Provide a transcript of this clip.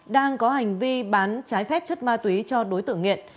đang có hành vi bán trái phép chất ma túy cho đối tượng nghiện